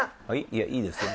いやいいですよ